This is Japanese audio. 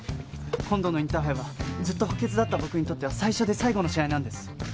今度のインターハイはずっと補欠だった僕にとっては最初で最後の試合なんです。